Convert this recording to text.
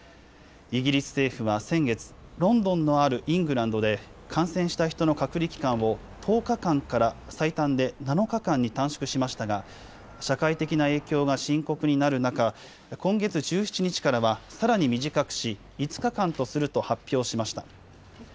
イギリス政府は先月、ロンドンのあるイングランドで感染した人の隔離期間を１０日間から最短で７日間に短縮しましたが社会的な影響が深刻になる中、今月１７日からはさらに短くし、５日間とすると発表しました。